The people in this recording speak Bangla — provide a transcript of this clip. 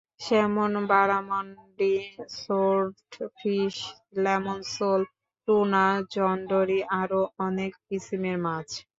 Salmon, barramundi, swordfish, lemon sole, tuna, john dory আরও অনেক কিসিমের মাছ।